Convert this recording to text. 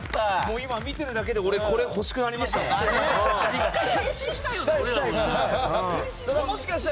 今、見てるだけでこれが欲しくなりました。